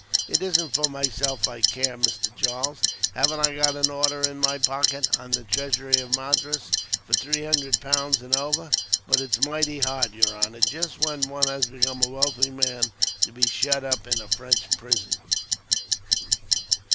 "It isn't for myself I care, Mr. Charles. Haven't I got an order in my pocket, on the treasury at Madras, for three hundred pound and over; but it's mighty hard, yer honor, just when one has become a wealthy man, to be shut up in a French prison."